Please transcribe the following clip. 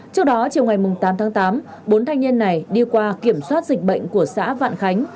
trước đó chiều ngày tám tháng tám bốn thanh niên này đi qua kiểm soát dịch bệnh của xã vạn khánh